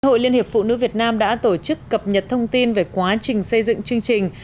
hội liên hiệp phụ nữ việt nam đã tổ chức cập nhật thông tin về quá trình xây dựng chương trình